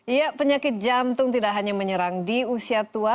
iya penyakit jantung tidak hanya menyerang di usia tua